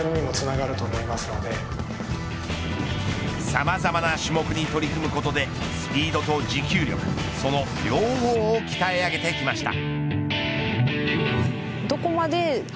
さまざまな種目に取り組むことでスピードと持久力、その両方を鍛え上げてきました。